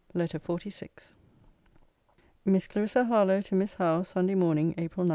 LETTER XLVI MISS CLARISSA HARLOWE, TO MISS HOWE SUNDAY MORNING, APRIL 9.